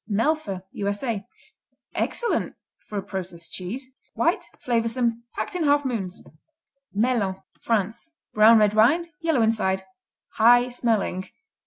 Melfa U.S.A. Excellent for a processed cheese. White; flavorsome. Packed in half moons. Melun France Brown red rind, yellow inside; high smelling.